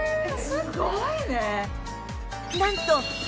すごいね！